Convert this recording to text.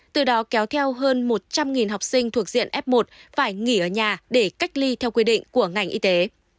từ đó kéo theo hơn một trăm linh học sinh thuộc diện f một phải nghỉ ở nhà để cách ly theo quy định của ngành y tế